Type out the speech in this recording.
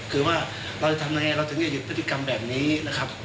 คือว่าเราจะทำไงเราถึงจะหยุดพฤติกรรมแบบนี้นะครับ